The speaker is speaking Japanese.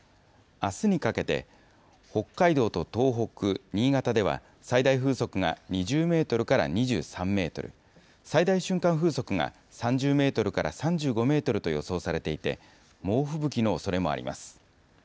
あすにかけて、北海道と東北、新潟では最大風速が２０メートルから２３メートル、最大瞬間風速が３０メートルから３５メートルと予想されていて、猛吹雪のおそれもあります。